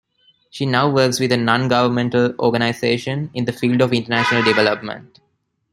She now works with a Non-governmental organization in the field of international development.